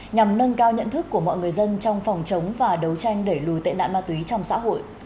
nhằm nâng cao nhận thức của mọi người dân trong phòng chống và đấu tranh đẩy lùi tệ nạn ma túy trong xã hội